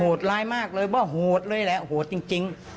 โหดร้ายมากเลยเพราะว่าโหดเลยแหละโหดจริง